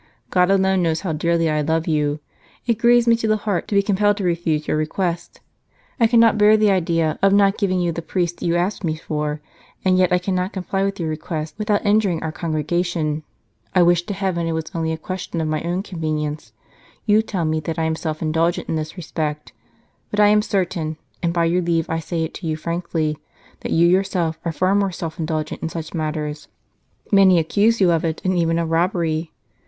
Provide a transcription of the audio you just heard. God alone knows how dearly I love you ! It grieves me to the heart to be compelled to refuse your request ; I cannot bear the idea of not giving you the priests you ask me for, and yet I cannot comply with your request without injuring our Congregation. I wish to Heaven it was only a question of my own convenience. ... You tell me that I am 133 St. Charles Borromeo self indulgent in this respect, but I am certain, and by your leave I say it to you frankly, that you yourself are far more self indulgent in such matters; many accuse you of it, and even of robbery